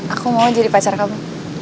aku mau jadi pacar kamu